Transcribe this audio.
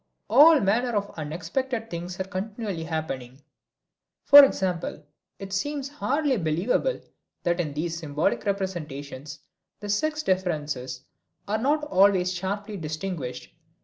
All manner of unexpected things are continually happening. For example, it seems hardly believable that in these symbolic representations the sex differences are not always sharply distinguished.